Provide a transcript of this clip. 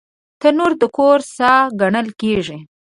تنور د کور ساه ګڼل کېږي